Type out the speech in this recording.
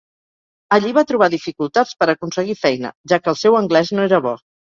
Allí va trobar dificultats per aconseguir feina, ja que el seu anglès no era bo.